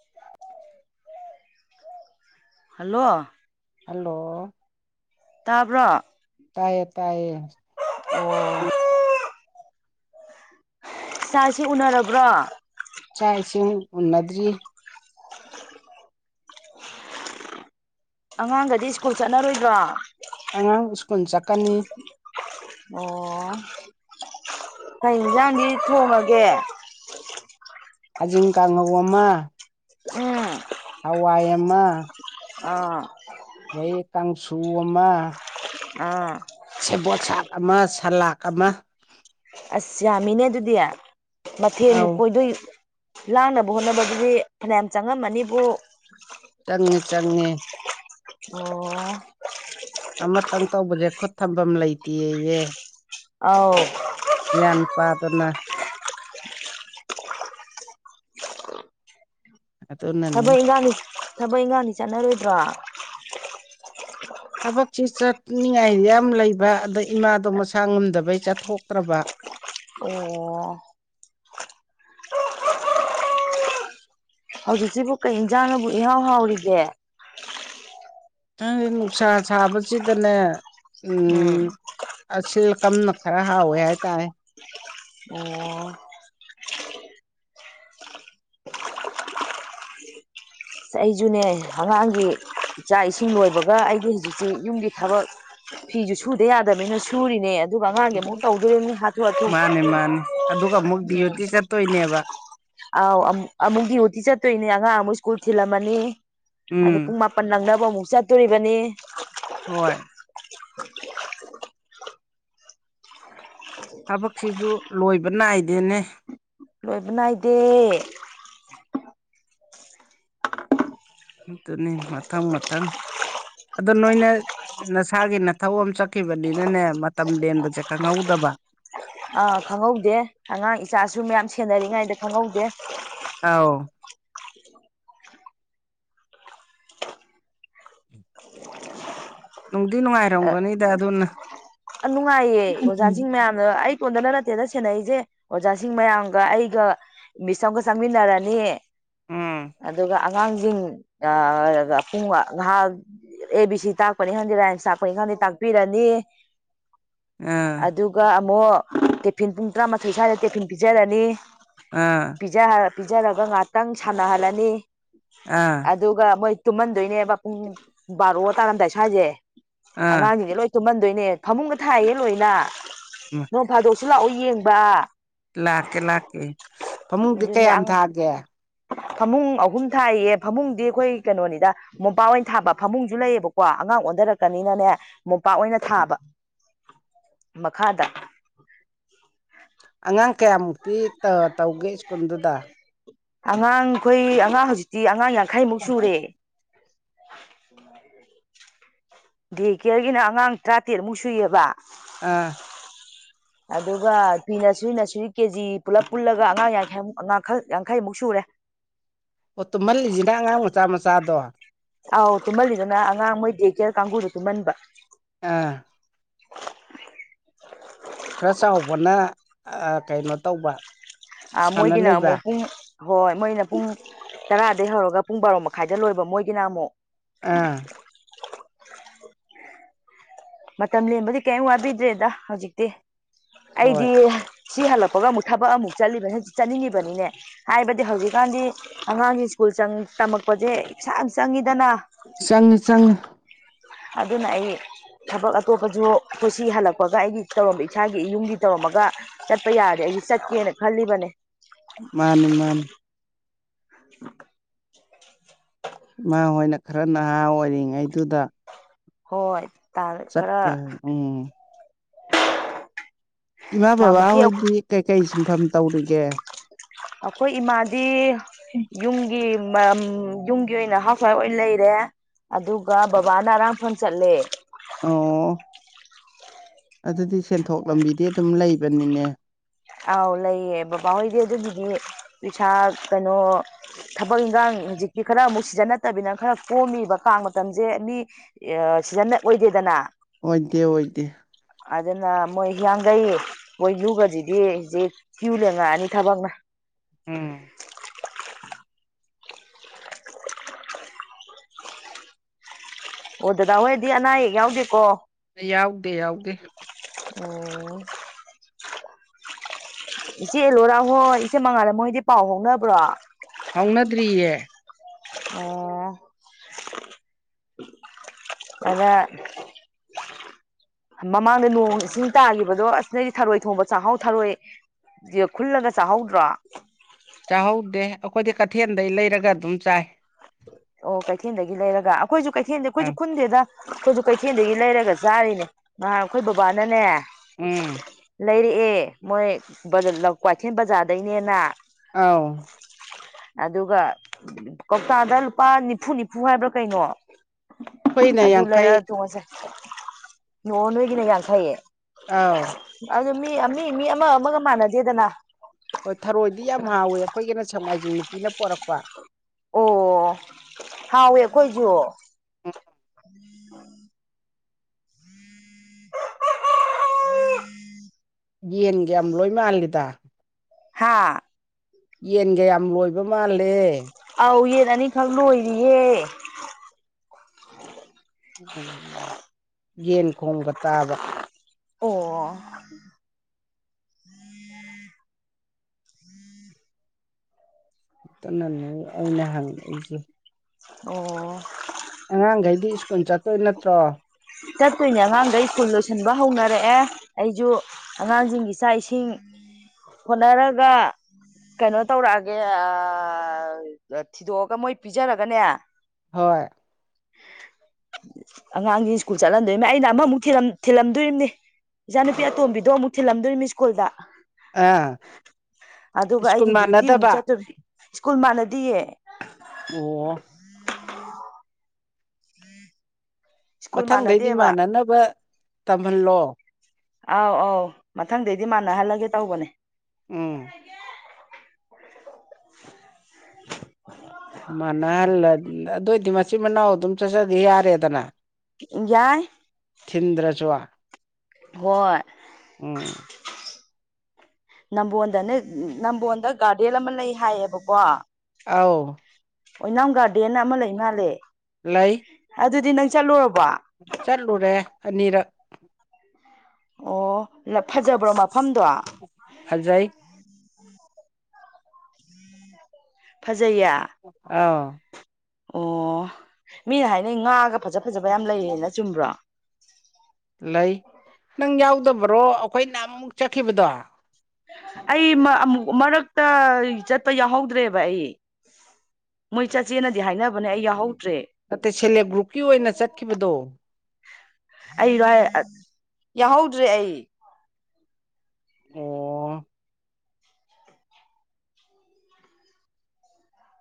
[unintelligible] hello hello ꯇꯥꯕ꯭ꯔꯣ ꯇꯥꯏꯌꯦ ꯇꯥꯏꯌꯦ ꯑꫭ ꯆꯥꯛ ꯏꯁꯤꯡ ꯎꯅꯔꯕ꯭ꯔꯣ ꯆꯥꯛ ꯏꯁꯤꯡ ꯎꯟꯅꯗ꯭ꯔꯤ ꯑꯉꯥꯡꯒꯗꯤ ꯁ꯭ꯀꯨꯜ ꯆꯠꯅꯔꯣꯏꯗꯔꯣ ꯑꯉꯥꯡ ꯁ꯭ꯀꯨꯜ ꯆꯠꯀꯅꯤ ꯑꯣ ꯀꯩ ꯌꯦꯟꯁꯥꯡꯗꯤ ꯊꯣꯡꯉꯒꯦ ꯈꯥꯖꯤꯡ ꯀꯥꯡꯉꯧ ꯑꯃ ꯎꯝ ꯍꯥꯋꯥꯏ ꯑꯃ ꯑꯥ ꯑꯗꯩꯩ ꯀꯥꯡꯁꯨ ꯑꯃ ꯑꯥ ꯁꯦꯕꯣꯠ ꯁꯥꯛ ꯑꯃ ꯁꯂꯥꯥꯛ ꯑꯃ ꯑꯁ ꯌꯥꯝꯃꯤꯅꯦ ꯑꯗꯨꯗꯤ ꯃꯊꯦꯜ ꯑꯧ ꯂꯨꯛ ꯀꯣꯏꯗꯣ ꯂꯥꯡꯅꯕ ꯍꯣꯠꯅꯕꯗꯨꯗꯤ ꯐꯅꯌꯥꯝ ꯆꯪꯉꯝꯃꯅꯤꯕꯨ ꯆꯪꯉꯦ ꯆꯪꯉꯦ ꯑꯣ ꯑꯃꯇꯪ ꯇꯧꯕꯗ ꯈꯨꯠ ꯊꯝꯐꯝ ꯂꯩꯇꯦꯌꯦ ꯑꯧ ꯏꯌꯥ ꯅꯨꯄꯥꯗꯨꯅ ꯑꯗꯨꯅꯅꯤ ꯊꯕꯛ ꯏꯪꯈꯥꯡꯗꯤ ꯊꯕꯛ ꯏꯪꯈꯥꯡꯗꯤ ꯆꯠꯅꯔꯣꯏꯗ꯭ꯔꯣ ꯊꯕꯛꯁꯤ ꯆꯠꯅꯤꯡꯉꯥꯏ ꯌꯥꯝ ꯂꯩꯕ ꯑꯗ ꯏꯃꯥꯗꯣ ꯃꯁꯥ ꯉꯝꯗꯕꯩ ꯆꯠꯊꯣꯛꯇ꯭ꯔꯕ ꯑꯣ ꯑꯣ ꯍꯧꯖꯤꯛꯁꯤꯕꯨ ꯀꯩ ꯌꯦꯟꯖꯥꯡꯅꯕꯨ ꯏꯍꯥꯎ ꯍꯥꯎꯔꯤꯒꯦ ꯈꯪꯗꯦ ꯅꯨꯡꯁꯥ ꯁꯥꯕꯁꯤꯗꯅꯦ ꯎꯝ ꯑꯁꯤꯟ ꯑꯥꯀꯝꯅ ꯈꯔ ꯍꯥꯎꯋꯦ ꯍꯥꯏꯇꯥꯔꯦ ꯑꯣ ꯑꯩꯁꯨꯅꯦ ꯑꯉꯥꯡꯒꯤ ꯆꯥꯛ ꯏꯁꯤꯡ ꯂꯣꯏꯕꯒ ꯑꯩꯖꯤ ꯍꯧꯖꯤꯛꯁꯤ ꯌꯨꯝꯒꯤ ꯊꯕꯛ ꯐꯤꯁꯨ ꯁꯨꯗ ꯌꯥꯗꯕꯅꯤꯅ ꯁꯨꯔꯤꯅꯦ ꯑꯗꯨꯒ ꯑꯉꯥꯡꯒꯤ ꯑꯃꯨꯛ ꯇꯧꯗꯣꯔꯤꯕꯅꯤ ꯍꯥꯊꯨ ꯍꯥꯊꯨ ꯃꯥꯅꯦ ꯃꯥꯅꯦ ꯑꯗꯨꯒ ꯑꯃꯨꯛ ꯎꯝ ꯗ꯭ꯌꯨꯇꯤ ꯆꯠꯇꯣꯏꯅꯦꯕ ꯑꯧ ꯑꯃꯨꯛ ꯗꯤ ꯑꯣ ꯇꯤ ꯆꯠꯇꯣꯏꯅꯦ ꯑꯉꯥꯡ ꯑꯃꯨꯛ ꯁ꯭ꯀꯨꯜ ꯊꯤꯜꯂꯝꯃꯅꯤ ꯎꯝ ꯑꯗ ꯄꯨꯡ ꯃꯥꯄꯟ ꯃꯄꯟ ꯅꯪꯅꯕ ꯑꯃꯨꯛ ꯆꯠꯇꯣꯔꯤꯕꯅꯤ ꯍꯣꯏ ꯊꯕꯛꯁꯤꯁꯨ ꯂꯣꯏꯕ ꯅꯥꯏꯗꯦꯅꯦ ꯂꯣꯏꯕ ꯅꯥꯏꯗꯦ ꯑꯗꯨꯅꯤ ꯃꯊꯪ ꯃꯊꯪ ꯑꯗꯣ ꯅꯣꯏꯅ ꯅꯁꯥꯒꯤ ꯅꯊꯧ ꯑꯃ ꯆꯠꯈꯤꯕꯅꯤꯅꯅꯦ ꯃꯇꯝ ꯂꯦꯟꯕꯁꯦ ꯈꯪꯍꯧꯗꯕ ꯑ ꯈꯪꯍꯧꯗꯦ ꯑꯉꯥꯡ ꯏꯆꯥ ꯏꯁꯨ ꯃꯌꯥꯝ ꯁꯦꯟꯅꯔꯤꯉꯩꯗ ꯈꯪꯍꯧꯗꯦ ꯑꯧ ꯅꯨꯡꯗꯤ ꯅꯨꯡꯉꯥꯏꯔꯝꯒꯅꯤꯗ ꯑꯗꯨꯅ ꯅꯨꯡꯉꯥꯏꯌꯦ ꯑꯣꯖꯥꯁꯤꯡ ꯃꯌꯥꯝ ꯑꯩ ꯊꯟꯗꯅ ꯅꯠꯇꯦꯗ ꯁꯦꯟꯅꯩꯁꯦ ꯑꯣꯖꯥꯁꯤꯡ ꯃꯌꯥꯝꯒ ꯑꯩꯒ ꯃꯤꯁ ꯑꯃꯒ ꯆꯠꯃꯤꯟꯅꯔꯅꯤ ꯎꯝ ꯑꯗꯨꯒ ꯑꯉꯥꯡꯁꯤꯡ ꯄꯨꯡ ꯉꯍꯥꯛ ꯑꯦ ꯕꯤ ꯁꯤ ꯇꯥꯛꯄꯅꯤ ꯈꯪꯗꯦ ꯔꯥꯏꯝꯁ ꯇꯥꯛꯄꯅꯤ ꯈꯪꯗꯦ ꯇꯥꯛꯄꯤꯔꯅꯤ ꯑꯥ ꯑꯗꯨꯒ ꯑꯃꯨꯛ ꯇꯦꯐꯤꯟ ꯄꯨꯡ ꯇꯔꯥꯃꯥꯊꯣꯏ ꯁ꯭ꯋꯥꯏꯗ ꯇꯦꯐꯤꯟ ꯄꯤꯖꯔꯅꯤ ꯑꯥ ꯄꯤꯖꯔꯒ ꯉꯥꯛꯇꯪ ꯁꯥꯟꯅꯍꯜꯂꯅꯤ ꯑꯥ ꯑꯗꯨꯒ ꯃꯣꯏ ꯇꯨꯝꯍꯟꯗꯣꯏꯅꯦꯕ ꯄꯨꯡ ꯕꯥꯔꯣ ꯇꯥꯔꯝꯗꯥꯏ ꯁ꯭ꯋꯥꯏꯁꯦ ꯑꯥ ꯑꯉꯥꯡꯁꯤꯖꯤ ꯂꯣꯏ ꯇꯨꯝꯍꯟꯗꯣꯏꯅꯦ ꯐꯃꯨꯡꯒ ꯊꯥꯏꯌꯦ ꯂꯣꯏꯅ ꯅꯣꯡ ꯐꯥꯗꯣꯛꯁꯨ ꯂꯥꯛꯑꯣ ꯌꯦꯡꯕ ꯂꯥꯛꯀꯦ ꯂꯥꯛꯀꯦ ꯐꯃꯨꯡꯗꯤ ꯑꯗꯨꯅꯦ ꯀꯌꯥꯝ ꯊꯥꯒꯦ ꯐꯃꯨꯡ ꯑꯍꯨꯝ ꯊꯥꯏꯌꯦ ꯐꯃꯨꯡꯗꯤ ꯑꯩꯈꯣꯏ ꯀꯩꯅꯣꯅꯤꯗ ꯃꯣꯄꯥ ꯑꯣꯏꯅ ꯊꯥꯕ ꯐꯃꯨꯡꯁꯨ ꯂꯩꯌꯦꯕꯀꯣ ꯑꯉꯥꯡ ꯑꯣꯟꯊꯔꯛꯀꯅꯤꯅꯅꯦ ꯃꯣꯝꯄꯥꯛ ꯑꯣꯏꯅ ꯊꯥꯕ ꯃꯈꯥꯗ ꯑꯉꯥꯡ ꯀꯌꯥꯃꯨꯛꯇꯤ ꯇꯧꯒꯦ ꯁ꯭ꯀꯨꯜꯗꯨꯗ ꯑꯉꯥꯡꯈꯣꯏ ꯑꯉꯥꯡ ꯍꯧꯖꯤꯛꯇꯤ ꯑꯉꯥꯡ ꯌꯥꯡꯈꯩꯃꯨꯛ ꯁꯨꯔꯦ [inaudible] ꯗꯗꯤꯦ ꯀꯦꯌꯔꯒꯤꯅ ꯑꯉꯥꯡ ꯇꯔꯥꯇꯔꯦꯠꯃꯨꯛ ꯁꯨꯏꯌꯦꯕ ꯑꯥ [inaudible] ꯑꯗꯨꯒ ꯄ꯭ꯔꯤ ꯅꯁꯔꯤ ꯅꯁꯔꯤ ꯀꯦꯖꯤ ꯄꯨꯜꯂꯞ ꯄꯨꯜꯂꯒ ꯑꯉꯥꯡ ꯌꯥꯡꯈꯩꯃꯨꯛ ꯌꯥꯡꯈꯩꯃꯨꯛ ꯁꯨꯔꯦ ꯑꯣ ꯇꯨꯝꯍꯜꯂꯤꯁꯤꯅ ꯑꯉꯥꯡ ꯃꯆꯥ ꯃꯆꯥꯗꯣ ꯑꯧ ꯇꯨꯝꯍꯜꯂꯤꯗꯅ ꯑꯉꯥꯡ ꯃꯣꯏ ꯗꯦꯀꯦꯌꯔ ꯀꯥꯡꯕꯨꯗꯨ ꯇꯨꯝꯍꯟꯕ ꯑꯥ ꯈꯔ ꯆꯥꯎꯕꯅ ꯀꯩꯅꯣ ꯇꯧꯕ ꯑ ꯁꯥꯟꯅ ꯃꯣꯏꯒꯤꯅ ꯂꯩꯕ ꯑꯃꯨꯛ ꯄꯨꯡ ꯍꯣꯏ ꯃꯣꯏꯅ ꯄꯨꯡ ꯇꯔꯥꯗꯒꯤ ꯍꯧꯔꯒ ꯄꯨꯡ ꯕꯥꯔꯣ ꯃꯈꯥꯏꯗ ꯂꯣꯏꯕ ꯃꯣꯏꯒꯤꯅ ꯑꯃꯨꯛ ꯑꯥ ꯃꯇꯝ ꯂꯦꯟꯕꯗꯤ ꯀꯩꯝ ꯋꯥꯕꯤꯗ꯭ꯔꯦꯗ ꯍꯧꯖꯤꯛꯇꯤ ꯍꯣꯏ ꯑꯩꯗꯤ ꯁꯤ ꯍꯜꯂꯛꯄꯒ ꯑꯃꯨꯛ ꯊꯕꯛ ꯑꯃꯨꯛ ꯆꯠꯂꯤꯕꯅꯦ ꯍꯧꯖꯤꯛ ꯆꯠꯅꯤꯡꯉꯤꯕꯅꯤꯅꯦ ꯍꯥꯏꯕꯗꯤ ꯍꯧꯖꯤꯛꯀꯥꯟꯗꯤ ꯑꯉꯥꯡꯁꯤ ꯁ꯭ꯀꯨꯜ ꯇꯝꯃꯛꯄꯁꯦ ꯏꯁꯁꯥꯡ ꯆꯪꯉꯤꯗꯅ ꯆꯪꯉꯦ ꯆꯪꯉꯦ ꯑꯗꯨꯅ ꯑꯩ ꯊꯕꯛ ꯑꯇꯣꯞꯄꯁꯨ ꯀꯠꯁꯤ ꯍꯜꯂꯛꯄꯒ ꯑꯩꯒꯤ ꯇꯧꯔꯝꯕ ꯏꯁꯥꯒꯤ ꯌꯨꯝꯒꯤ ꯇꯧꯔꯝꯃꯒ ꯆꯠꯄ ꯌꯥꯗꯦ ꯑꯩꯁꯨ ꯆꯠꯀꯦꯅ ꯈꯜꯂꯤꯕꯅꯦ ꯃꯥꯅꯤ ꯃꯥꯅꯤ [inaudible] ꯏꯃꯥ ꯍꯣꯏꯅ ꯈꯔ ꯅꯍꯥ ꯑꯣꯏꯔꯤꯉꯩꯗꯨꯗ ꯍꯣꯏ ꯇꯥꯔꯦ ꯆꯠꯄ ꯈꯔ ꯎꯝ ꯏꯃꯥ ꯕꯕꯥ ꯅꯍꯥꯟꯃꯨꯛꯀꯤ ꯍꯣꯏꯗꯤ ꯀꯩꯀꯩ ꯁꯤꯟꯐꯝ ꯇꯧꯔꯤꯒꯦ ꯑꯩꯈꯣꯏ ꯏꯃꯥꯗꯤ ꯌꯨꯝꯒꯤ ꯌꯨꯝꯒꯤ ꯑꯣꯏꯅ ꯍꯥꯎꯁ ꯋꯥꯏꯐ ꯑꯣꯏꯅ ꯂꯩꯔꯦ ꯑꯗꯨꯒ ꯕꯕꯥꯅ ꯑꯔꯥꯡꯐꯝꯣꯟ ꯆꯠꯂꯦ ꯑꯣ ꯑꯗꯨꯗꯤ ꯁꯦꯟꯊꯣꯛ ꯂꯝꯕꯤꯗꯤ ꯑꯗꯨꯝ ꯂꯩꯕꯅꯤꯅꯦ ꯑꯥꯎ ꯂꯩꯌꯦ ꯕꯕꯥꯍꯣꯏꯗꯤ ꯑꯗꯨꯒꯤꯗꯤ ꯄꯩꯁꯥ ꯀꯩꯅꯣ ꯊꯕꯛ ꯏꯟꯈꯥꯡ ꯍꯧꯖꯤꯛꯇꯤ ꯈꯔ ꯑꯃꯨꯛ ꯁꯤꯖꯟꯅ ꯅꯠꯇꯕꯤꯅ ꯈꯔ ꯀꯣꯝꯃꯤꯕ ꯀꯥꯡ ꯃꯇꯝꯁꯦ ꯃꯤ ꯁꯤꯖꯟꯟꯅ ꯑꯣꯏꯗꯦꯗꯅ ꯑꯣꯏꯗꯦ ꯑꯣꯏꯗꯦ ꯑꯗꯨꯅ ꯃꯣꯏ ꯍꯤꯌꯥꯡꯒꯩ ꯍꯣꯏ ꯌꯨꯒꯗꯤ ꯌꯦꯦ ꯊꯤꯎ ꯂꯉ ꯑꯅꯤ ꯊꯕꯥꯒꯅ ꯎꯝ ꯑꯣ ꯗꯗꯥ ꯍꯣꯏꯗꯤ ꯑꯅꯥ ꯑꯌꯦꯛ ꯌꯥꯎꯗꯦꯀꯣ ꯑꯩ ꯌꯥꯎꯒꯦ ꯌꯥꯎꯒꯦ ꯎꯝ ꯏꯆꯦꯂꯣꯏꯔꯥ ꯍꯣꯏ ꯏꯆꯦ ꯃꯉꯥꯜꯂꯦ ꯃꯣꯏꯗꯤ ꯄꯥꯎ ꯍꯧꯥꯎꯅꯕ꯭ꯔꯣ ꯐꯥꯎꯅꯗ꯭ꯔꯤꯌꯦ ꯑꯣ ꯑꯩꯅ ꯃꯃꯥꯡꯗ ꯅꯣꯡ ꯏꯁꯤꯡ ꯇꯥꯈꯤꯕꯗꯣ ꯑꯁꯤꯅꯗꯤ ꯊꯔꯣꯏ ꯊꯣꯡꯕ ꯆꯥꯛꯍꯥꯎ ꯊꯔꯣꯏ ꯈꯨꯜꯂꯒ ꯆꯥꯍꯧꯗ꯭ꯔꯣ ꯆꯥꯍꯧꯗꯦ ꯑꯩꯈꯣꯏꯗꯤ ꯀꯩꯊꯦꯜꯗꯩ ꯂꯩꯔꯒ ꯑꯗꯨꯝ ꯆꯥꯏ ꯑꯣ ꯀꯩꯊꯦꯜꯗꯒꯤ ꯂꯩꯔꯒ ꯑꯩꯈꯣꯏꯁꯨ ꯀꯩꯊꯦꯜꯗ ꯑ ꯑꯩꯈꯣꯏꯁꯨ ꯈꯨꯟꯗꯦꯗ ꯑꯩꯈꯣꯏꯁꯨ ꯀꯩꯊꯦꯜꯗꯒꯤ ꯂꯩꯔꯒ ꯆꯥꯔꯤꯅꯦ ꯅꯍꯥꯟ ꯑꯩꯈꯣꯏ ꯕꯕꯥꯅꯅꯦ ꯎꯝ ꯂꯩꯔꯛꯑꯦ ꯃꯣꯏ ꯀ꯭ꯋꯥꯏꯊꯦꯜ ꯕꯖꯥꯔꯗꯒꯤꯅꯦꯅ ꯑꯥꯎ ꯑꯗꯨꯒ ꯀꯧꯇꯥꯗ ꯂꯨꯄꯥ ꯅꯤꯐꯨ ꯅꯤꯐꯨ ꯍꯥꯏꯕ꯭ꯔꯥ ꯀꯩꯅꯣ ꯑꯩꯈꯣꯏꯅ ꯑꯗꯨ ꯌꯥꯡꯈꯩ ꯂꯩꯔꯒ ꯇꯣꯡꯉꯁꯦ ꯅꯣꯡ ꯅꯣꯏꯒꯤꯅꯥ ꯌꯥꯡꯈꯩ ꯑꯥꯎ ꯑꯗꯨ ꯃꯤ ꯃꯤ ꯃꯤ ꯑꯃꯒ ꯑꯃꯒ ꯃꯥꯟꯅꯗꯦꯗꯅ ꯍꯣꯏ ꯊꯔꯣꯏꯗꯤ ꯌꯥꯝ ꯍꯥꯎꯋꯦ ꯑꯩꯈꯣꯏꯒꯤꯅ ꯁꯦꯛꯃꯥꯏꯖꯤꯡ ꯅꯨꯄꯤꯅ ꯄꯣꯔꯛꯄ ꯑꯣ ꯍꯥꯎꯋꯦ ꯑꯩꯈꯣꯏꯁꯨ [inaudible] ꯌꯦꯟꯒ ꯌꯥꯝ ꯂꯣꯏ ꯃꯥꯜꯂꯤꯦꯗ ꯍꯥꯥ ꯌꯦꯟꯒ ꯌꯥꯝ ꯂꯣꯏꯕ ꯃꯥꯜꯂꯦ ꯑꯧ ꯌꯦꯟ ꯑꯅꯤꯈꯛ ꯂꯣꯏꯔꯤꯌꯦ ꯎꯝ ꯌꯦꯟ ꯈꯣꯡꯕ ꯇꯥꯕ ꯑꯣ [inaudible] ꯛꯇꯅ ꯅꯣꯏ ꯑꯩꯅ ꯍꯪꯉꯛꯏꯁꯦ ꯑꯣ ꯑꯉꯥꯡꯈꯩꯗꯤ ꯁ꯭ꯀꯨꯜ ꯆꯠꯇꯣꯏ ꯅꯠꯇ꯭ꯔꯣ ꯆꯠꯇꯣꯏꯅꯦ ꯑꯉꯥꯡꯗ ꯁ꯭ꯀꯨꯜ ꯂꯣꯏꯁꯤꯟꯕ ꯍꯧꯅꯔꯛꯑꯦ ꯑꯩꯁꯨ ꯑꯉꯥꯡꯁꯤꯡꯒꯤ ꯆꯥꯛ ꯏꯁꯤꯡ ꯍꯣꯠꯅꯔꯒ ꯀꯩꯅꯣ ꯇꯧꯔꯛꯑꯒꯦ ꯑ ꯊꯤꯗꯣꯛꯑꯒ ꯃꯣꯏ ꯄꯤꯖꯔꯒꯅꯦ ꯍꯣꯏ ꯑꯉꯥꯡꯒꯤ ꯁ꯭ꯀꯨꯜ ꯆꯠꯍꯟꯗꯣꯏꯅꯤ ꯑꯩꯅ ꯑꯃꯨꯛꯂꯝ ꯊꯜꯂꯝꯗꯣꯏꯝꯅꯤ ꯏꯆꯥ ꯅꯨꯄꯤ ꯑꯇꯣꯕꯤꯣ ꯑꯃꯨꯛ ꯊꯤꯜꯂꯝꯗꯣꯔꯤꯃꯤ ꯁ꯭ꯀꯨꯜꯗ ꯑꯥ ꯑꯗꯨꯒ ꯁ꯭ꯀꯨꯜ ꯑꯩꯒꯤ ꯗ꯭ꯌꯨꯇꯤ ꯑꯃꯨꯛ ꯃꯥꯟꯅꯗꯕ ꯆꯠꯇꯣꯔꯤ ꯁ꯭ꯀꯨꯜ ꯃꯥꯟꯅꯗꯤꯌꯦ ꯑꯣ ꯁ꯭ꯀꯨꯜ ꯃꯊꯪꯗꯩꯗꯤ ꯃꯥꯟꯅꯗꯦꯕ ꯃꯥꯟꯅꯅꯕ ꯇꯝꯍꯜꯂꯣ ꯑꯧ ꯑꯧ ꯃꯊꯪꯗꯩꯗꯤ ꯃꯥꯟꯅꯍꯜꯂꯒꯦ ꯇꯧꯕꯅꯦ ꯎꯝ [inaudible] ꯃꯅꯍꯜꯂ ꯑꯗꯨꯑꯣꯏꯗꯤ ꯃꯆꯤꯟ ꯃꯅꯥꯎ ꯑꯗꯨꯝ ꯆꯠꯆꯒꯦ ꯌꯥꯔꯦꯗꯅ ꯌꯥꯏ ꯊꯤꯟꯟꯗ꯭ꯔꯖꯣꯋꯥ ꯍꯣꯏ ꯑꯣꯝ ꯅꯝꯕꯣꯟꯜꯗꯅꯦ ꯅꯝꯕꯣꯣꯟꯗ ꯒꯥꯔꯗꯦꯟ ꯑꯃ ꯂꯩ ꯍꯥꯏꯌꯦꯕꯀꯣ ꯑꯧ ꯑꯣꯏꯅꯥꯝ ꯒꯥꯔꯗꯦꯟ ꯑꯃ ꯂꯩ ꯃꯥꯜꯂꯦ ꯂꯩ ꯑꯗꯨꯗꯤ ꯅꯪ ꯆꯠꯂꯨꯔꯕꯣ ꯆꯠꯂꯨꯔꯦ ꯑꯅꯤꯔꯛ ꯑꯣ ꯐꯖꯕ꯭ꯔꯣ ꯃꯐꯝꯗꯣ ꯍꯜꯖꯥꯏ ꯐꯖꯩꯌꯦ ꯑꯥ ꯑꯣ ꯃꯤꯅ ꯍꯥꯏꯅꯩ ꯉꯥꯒ ꯐꯖ ꯐꯖꯕ ꯌꯥꯝ ꯂꯩꯔꯅ ꯆꯨꯝꯕ꯭ꯔꯣ ꯂꯩ ꯅꯪ ꯌꯥꯎꯗꯕ꯭ꯔꯣ ꯑꯩꯈꯣꯏ ꯅꯍꯥꯟꯃꯨꯛ ꯆꯠꯈꯤꯕꯗꯣ ꯑꯩ ꯑꯃꯨꯛ ꯃꯔꯛꯇ ꯆꯠꯄ ꯌꯥꯎꯍꯧꯗ꯭ꯔꯦꯕ ꯑꯩ ꯃꯣꯏ ꯆꯠꯆꯦꯅꯗꯤ ꯍꯥꯏꯅꯕꯅꯦ ꯑꯩ ꯌꯥꯎꯍꯧꯗ꯭ꯔꯦ ꯅꯠꯇꯦ ꯁꯦꯜꯐ ꯍꯦꯜꯞ ꯒ꯭ꯔꯨꯞꯀꯤ ꯑꯣꯏꯅ ꯆꯠꯈꯤꯕꯗꯣ ꯑꯩ ꯌꯥꯎꯍꯧꯗ꯭ꯔꯦ ꯑꯩ ꯑꯣ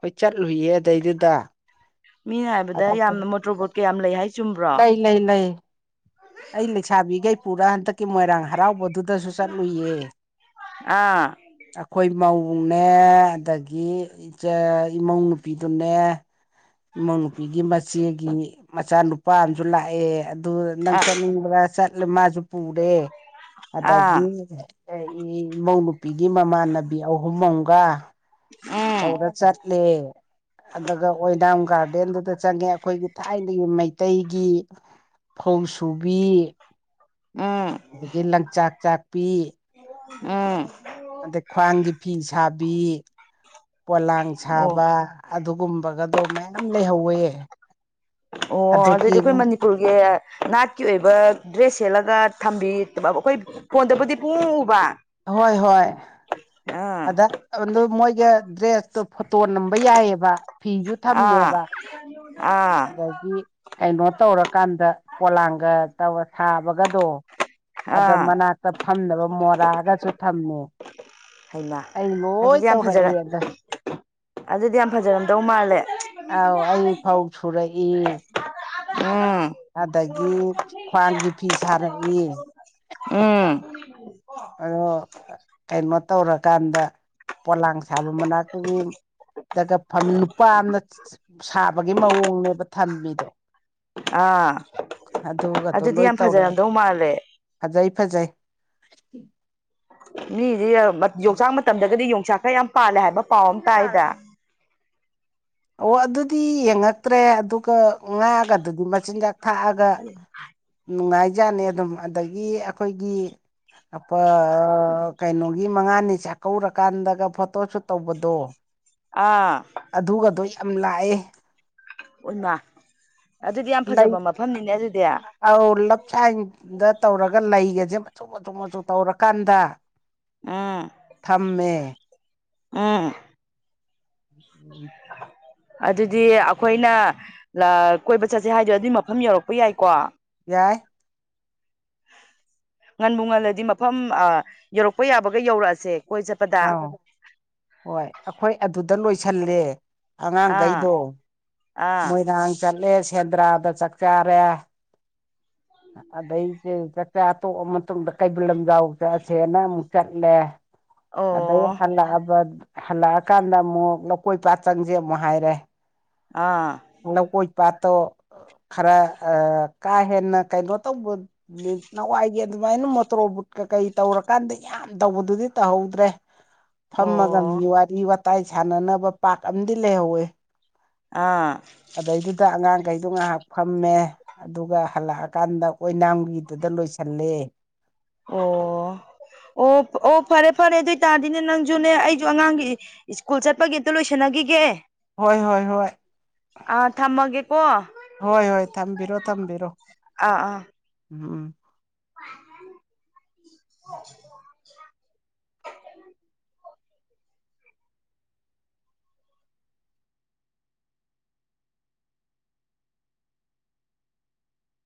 ꯍꯣꯏ ꯆꯠꯂꯨꯏꯌꯦ ꯑꯗꯩꯗꯨꯗ ꯃꯤꯅ ꯍꯥꯏꯕꯗ ꯌꯥꯝꯅ ꯃꯣꯇꯣꯔꯕꯣꯠ ꯀꯌꯥꯝ ꯂꯩ ꯍꯥꯏ ꯆꯨꯝꯕ꯭ꯔꯣ ꯂꯩ ꯂꯩ ꯑꯩ ꯂꯩꯁꯥꯕꯤꯈꯩ ꯄꯨꯔꯒ ꯍꯟꯗꯛꯀꯤ ꯃꯣꯏꯔꯥꯡ ꯍꯔꯥꯎꯕꯗꯨꯗ ꯗꯁꯨ ꯆꯠꯂꯨꯏꯌꯦ ꯑꯥ ꯑꯩꯈꯣꯏ ꯃꯧꯡꯅꯦ ꯑꯗꯒꯤ ꯏꯆꯦ ꯏꯃꯧ ꯅꯨꯄꯤꯗꯨꯅꯦ ꯏꯃꯨꯡ ꯅꯨꯨꯄꯤꯒꯤ ꯃꯆꯦꯒꯤ ꯃꯆꯥꯅꯨꯄꯥ ꯑꯃꯁꯨ ꯂꯥꯛꯑꯦ ꯑꯗꯨ ꯅꯪ ꯑꯥ ꯆꯠꯅꯤꯡꯕ꯭ꯔꯥ ꯆꯠꯂꯦ ꯃꯥꯁꯨ ꯄꯨꯔꯦ ꯑꯗꯒꯤ ꯑꯥ ꯏꯃꯧ ꯅꯨꯨꯄꯤꯒꯤ ꯃꯃꯥꯟꯅꯕꯤ ꯑꯍꯨꯝ ꯑꯃꯒ ꯇꯧꯔ ꯆꯠꯂꯦ ꯑꯗꯨꯒ ꯑꯣꯏꯗꯥꯝ ꯒꯥꯔꯗꯦꯟꯗꯨꯗ ꯆꯠꯂꯦ ꯑꯩꯈꯣꯏꯒꯤ ꯊꯥꯏꯅꯒꯤ ꯃꯩꯇꯩꯒꯤ ꯐꯧꯁꯨꯨꯕꯤ ꯎꯝ ꯑꯗꯒꯤ ꯂꯪꯆꯥꯛ ꯆꯥꯛꯄꯤ ꯎꯝ ꯑꯗꯩ ꯈ꯭ꯋꯥꯡꯒꯤ ꯐꯤ ꯁꯥꯕꯤ ꯄꯣꯂꯥꯡ ꯑꯣ ꯁꯥꯕ ꯑꯗꯨꯒꯨꯝꯕꯒꯗꯣ ꯃꯌꯥꯝ ꯂꯩꯍꯧꯋꯦ ꯑꯣ ꯑꯗꯨꯒꯤ ꯑꯗꯨꯗꯤꯈꯣꯏ ꯃꯅꯤꯄꯨꯔ ꯅꯥꯠꯀꯤ ꯑꯣꯏꯕ ꯗ꯭ꯔꯦꯁ ꯁꯦꯠꯂꯒ ꯊꯝꯕꯤ ꯑꯩꯈꯣꯏ ꯐꯣꯟꯗꯕꯨꯗꯤ ꯄꯡꯎ ꯎꯕ ꯍꯣꯏ ꯍꯣꯏ ꯑꯥ ꯑꯗ ꯑꯗꯨ ꯃꯣꯏꯒ ꯗ꯭ꯔꯦꯁ ꯐꯣꯇꯣ ꯅꯝꯕ ꯌꯥꯏꯑꯕ ꯐꯤꯁꯨ ꯊꯝꯃꯦꯕ [inaudible] ꯑꯗꯒꯤ ꯀꯩꯅꯣ ꯇꯧꯔꯀꯥꯟꯗ ꯄꯣꯂꯥꯡꯒ ꯁꯥꯕꯒꯗꯣ ꯑꯗꯣ ꯑꯥ ꯃꯅꯥꯛꯇ ꯐꯝꯅꯕ ꯃꯣꯔꯥꯒꯁꯨ ꯊꯝꯃꯦ ꯍꯩꯃ ꯑꯩ ꯂꯣꯏ ꯑꯗꯨꯗꯤ ꯌꯥꯝ ꯐꯖꯔ ꯇꯧꯔꯛꯑꯦ ꯑꯗꯣ ꯑꯗꯨꯗꯤ ꯌꯥꯝ ꯐꯖꯔꯝꯗꯧ ꯃꯥꯜꯂꯦ ꯑꯥꯎ ꯑꯩ ꯐꯧ ꯁꯨꯔꯛꯏ ꯎꯝ ꯑꯗꯒꯤ ꯈ꯭ꯋꯥꯡꯒꯤ ꯐꯤ ꯁꯥꯔꯛꯏ ꯎꯝ ꯑꯗꯣ ꯀꯩꯅꯣ ꯇꯧꯔꯀꯥꯟꯗ ꯄꯣꯂꯥꯡ ꯁꯥꯕ ꯃꯅꯥꯛꯇꯒꯤ ꯅꯨꯄꯥ ꯑꯃꯅ ꯒꯤ ꯃꯑꯣꯡꯅꯦꯕ ꯊꯝꯃꯤꯗꯣ ꯑꯥ ꯑꯗꯨꯒꯗꯣ ꯑꯗꯨꯗꯤ ꯂꯣꯏ ꯌꯥꯝ ꯇꯧꯔꯛꯑꯦ ꯐꯖꯔꯝꯗꯧ ꯃꯥꯜꯂꯦ ꯐꯖꯩ ꯐꯖꯩ [unintelligible] ꯃꯤꯗꯤ ꯌꯣꯡꯆꯥꯛ ꯃꯇꯝꯗꯒꯗꯤ ꯌꯣꯡꯆꯥꯛꯀ ꯌꯥꯝ ꯄꯥꯜꯂꯦ ꯍꯥꯏꯕ ꯄꯥꯎ ꯑꯃ ꯇꯥꯏꯗ ꯑꯣ ꯑꯗꯨꯗꯤ ꯌꯦꯡꯉꯛꯇ꯭ꯔꯦ ꯑꯗꯨꯒ ꯉꯥꯛꯑꯒꯗꯨꯗꯤ ꯃꯆꯤꯟꯖꯥꯛ ꯊꯥꯛꯑꯒ ꯅꯨꯡꯉꯥꯏꯖꯥꯅꯤ ꯑꯗꯨꯝ ꯑꯗꯒꯤ ꯑꯩꯈꯣꯏꯒꯤ ꯀꯩꯅꯣꯒꯤ ꯃꯉꯥꯅꯤ ꯆꯥꯛꯀꯧꯔꯀꯥꯟꯗꯒ ꯐꯣꯇꯣ ꯁꯨꯠ ꯇꯧꯕꯗꯣ ꯑꯥ ꯑꯗꯨꯒꯗꯣ ꯌꯥꯝ ꯂꯥꯛꯑꯦ ꯎꯟꯃꯥ ꯑꯗꯨꯗꯤ ꯌꯥꯝ ꯂꯩ ꯐꯖꯕ ꯃꯐꯝꯅꯤꯅꯦ ꯑꯗꯨꯗꯤ ꯑꯧ ꯂꯞꯁꯥꯏꯗ ꯇꯧꯔꯒ ꯂꯩꯒꯁꯦ ꯃꯆꯨ ꯃꯆꯨ ꯃꯆꯨ ꯇꯧꯔꯀꯥꯟꯗ ꯎꯝ ꯊꯝꯃꯦ ꯎꯝ ꯎꯝ ꯑꯗꯨꯗꯤ ꯑꯩꯈꯣꯏꯅ ꯀꯣꯏꯕ ꯆꯠꯁꯦ ꯍꯥꯏꯗꯣ ꯑꯗꯨꯏ ꯃꯐꯝ ꯌꯧꯔꯛꯄ ꯌꯥꯏꯀꯣ ꯌꯥꯏ ꯉꯟꯕꯨ ꯉꯜꯂꯗꯤ ꯃꯐꯝ ꯌꯧꯔꯛꯄ ꯌꯥꯕꯒ ꯌꯧꯔꯛꯑꯁꯦ ꯀꯣꯏ ꯆ ꯑꯥꯎ ꯍꯣꯏ ꯑꯩꯈꯣꯏ ꯑꯗꯨꯗ ꯂꯣꯏꯁꯜꯂꯦ ꯑꯥ ꯑꯉꯥꯡꯈꯩꯗꯣ ꯑꯥ ꯃꯣꯏꯔꯥꯡ ꯆꯠꯂꯦ ꯁꯦꯟꯗ꯭ꯔꯥꯗ ꯆꯥꯛꯆꯥꯥꯔꯦ ꯑꯗꯩꯗꯤꯦ ꯆꯥꯛꯆꯥ ꯑꯇꯣꯛꯑ ꯃꯇꯨꯡꯗ ꯀꯩꯕꯨꯜ ꯂꯝꯖꯥꯎ ꯆꯠꯂꯁꯦꯅ ꯑꯃꯨꯛ ꯆꯠꯂꯦ ꯑꯗꯩ ꯑꯣ ꯍꯜꯂꯛꯑꯕ ꯍꯜꯂꯛꯑꯀꯥꯟꯗ ꯑꯃꯨꯛ ꯂꯧꯀꯣꯏ ꯄꯥꯠ ꯆꯪꯁꯦ ꯑꯃꯨꯛ ꯍꯥꯏꯔꯦ ꯑꯥ ꯂꯧ ꯀꯣꯏ ꯄꯥꯠꯇꯣ ꯈꯔ ꯀꯥ ꯍꯦꯟꯅ ꯀꯩꯅꯣ ꯇꯧꯕ ꯅꯋꯥꯏꯒꯦ ꯑꯗꯨꯃꯥꯏꯅ ꯃꯣꯇꯣꯔ ꯕꯨꯠꯀ ꯀꯩ ꯇꯧꯔꯀꯥꯟꯗ ꯌꯥꯝ ꯇꯧꯕꯗꯨꯗꯤ ꯇꯧꯍꯧꯗ꯭ꯔꯦ [inaudible] ꯐꯝꯃꯒ ꯃꯤ ꯋꯥꯔꯤ ꯋꯥꯇꯥꯏ ꯁꯥꯟꯅꯅꯕ ꯄꯥꯛ ꯑꯃꯗꯤ ꯂꯩꯍꯧꯋꯦ ꯑꯥ ꯑꯗꯩꯗꯨꯗ ꯑꯉꯥꯡꯈꯩꯗꯣ ꯉꯥꯏꯍꯥꯛ ꯐꯝꯃꯦ ꯑꯗꯨꯒ ꯍꯜꯂꯛꯑꯀꯥꯟꯗ ꯑꯣꯏꯅꯥꯝꯕꯤꯗꯨꯗ ꯂꯣꯏꯁꯜꯂꯦ ꯑꯣ ꯑꯣ ꯑꯣ ꯐꯔꯦ ꯐꯔꯦ ꯑꯗꯨ ꯑꯣꯏ ꯇꯔꯗꯤꯅꯦ ꯅꯪꯁꯨꯅꯦ ꯑꯩꯁꯨ ꯑꯉꯥꯡꯒꯤ ꯁ꯭ꯀꯨꯜ ꯆꯠꯄꯒꯤꯇ ꯂꯣꯏꯁꯟꯅꯈꯤꯒꯦ ꯍꯣꯏ ꯍꯣꯏ ꯍꯣꯏ ꯑꯥ ꯊꯝꯃꯒꯦꯀꯣ ꯑꯥ ꯍꯣꯏ ꯍꯣꯏ ꯊꯝꯕꯤꯔꯣ ꯊꯝꯕꯤꯔꯣ ꯑꯥ ꯎꯝ [inaudible]